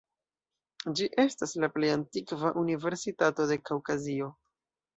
Ĝi estas la plej antikva universitato de Kaŭkazio.